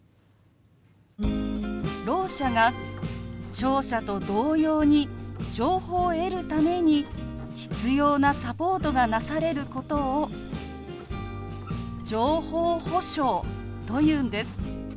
ろう者が聴者と同様に情報を得るために必要なサポートがなされることを「情報保障」というんです。